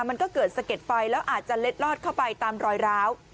มันก็เกิดสะเก็ดไฟแล้วอาจจะเล็ดลอดเข้าไปตามรอยร้าว